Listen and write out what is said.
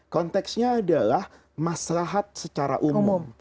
konteksnya adalah maslahat secara umum